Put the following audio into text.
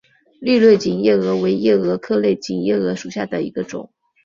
绿类锦夜蛾为夜蛾科类锦夜蛾属下的一个种。